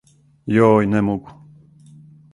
Јој, не могу.